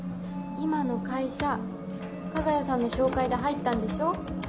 今の会社加賀谷さんの紹介で入ったんでしょ？